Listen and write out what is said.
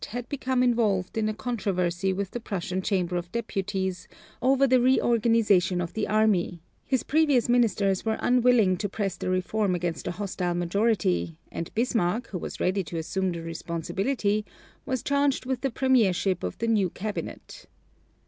had become involved in a controversy with the Prussian Chamber of Deputies over the reorganization of the army; his previous ministers were unwilling to press the reform against a hostile majority; and Bismarck, who was ready to assume the responsibility, was charged with the premiership of the new cabinet.